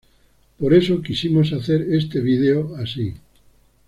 Por eso quisimos hacer este video así.